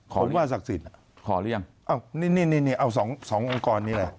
ผมว่าศักดิ์สิทธิ์ขอหรือยังนี่เอาสององค์กรนี้แหละ